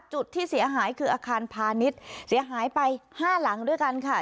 จุดที่เสียหายคืออาคารพาณิชย์เสียหายไปห้าหลังด้วยกันค่ะ